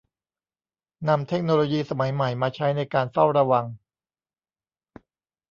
นำเทคโนโลยีสมัยใหม่มาใช้ในการเฝ้าระวัง